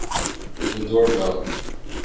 The door bell.